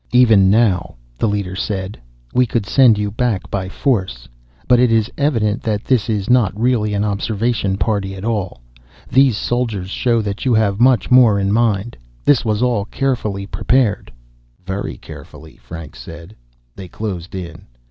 "Even now," the leader said, "we could send you back by force. But it is evident that this is not really an observation party at all. These soldiers show that you have much more in mind; this was all carefully prepared." "Very carefully," Franks said. They closed in.